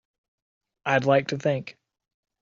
I'd like to think.